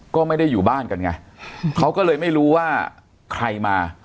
ก็ไม่ได้อยู่บ้านกันไงเขาก็เลยไม่รู้ว่าใครมา